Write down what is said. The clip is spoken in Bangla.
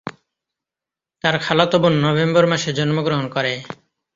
তার খালাতো বোন নভেম্বর মাসে জন্মগ্রহণ করে।